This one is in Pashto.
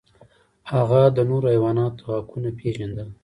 هغه د نورو حیواناتو حقونه پیژندل.